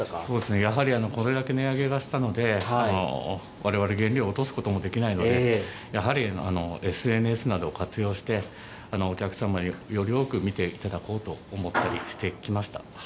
やはりこれだけ値上げがしたので、われわれ、原料を落とすこともできないので、やはりＳＮＳなどを活用して、お客様により多く見ていただこうと思ったりしてきました。